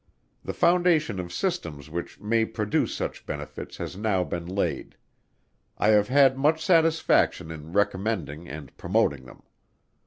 The foundation of systems which may produce such benefits has now been laid. I have had much satisfaction in recommending and promoting them.